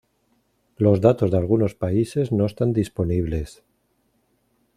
Los datos de algunos países no están disponibles.